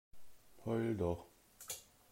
Heul doch!